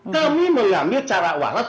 kami mengambil cara wahas